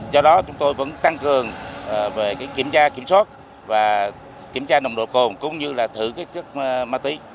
do đó chúng tôi vẫn tăng cường về kiểm tra kiểm soát và kiểm tra nồng độ cồn cũng như là thử chất ma túy